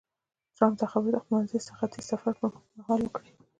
ټرمپ دا خبرې د خپل منځني ختیځ سفر پر مهال وکړې.